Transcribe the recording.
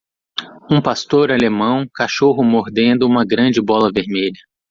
um pastor alemão cachorro mordendo uma grande bola vermelha